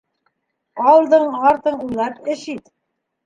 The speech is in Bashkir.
Алдың-артың уйлап эш ит.